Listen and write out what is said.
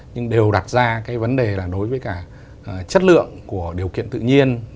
nhưng đều đặt ra cái vấn đề là đối với cả chất lượng của điều kiện tự nhiên